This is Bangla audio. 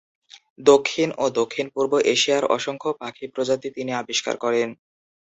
দক্ষিণ ও দক্ষিণ-পূর্ব এশিয়ার অসংখ্য পাখি প্রজাতি তিনি আবিষ্কার করেন।